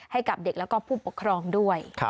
ให้กับเด็กและผู้ปกครองด้วย